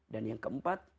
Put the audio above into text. dan yang keempat